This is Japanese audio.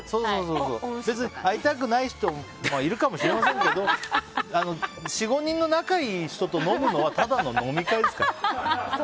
別に会いたくない人はいるかもしれませんけど４５人の仲いい人と飲むのはただの飲み会ですから。